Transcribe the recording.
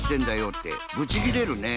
ってブチギレるね。